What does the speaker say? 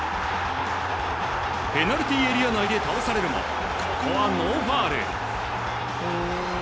ペナルティーエリア内で倒されるもここはノーファウル。